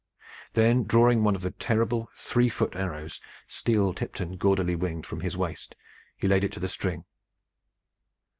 Then, drawing one of the terrible three foot arrows, steel tipped and gaudily winged, from his waist, he laid it to the string.